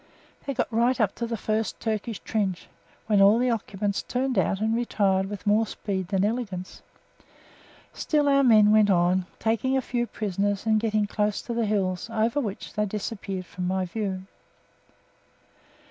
They got right up to the first Turkish trench, when all the occupants turned out and retired with more speed than elegance. Still our men went on, taking a few prisoners and getting close to the hills, over which they disappeared from my view.